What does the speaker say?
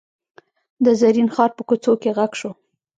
د زرین ښار په کوڅو کې غږ شو.